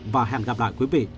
và hẹn gặp lại quý vị